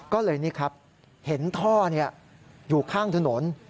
ก็เลยนี่ครับเห็นท่ออยู่ข้างถนน